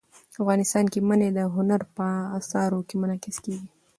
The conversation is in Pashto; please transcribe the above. افغانستان کې منی د هنر په اثار کې منعکس کېږي.